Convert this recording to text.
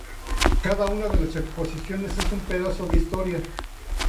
Cada una de las exposiciones es un pedazo de historia.